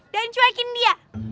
dan cuekin dia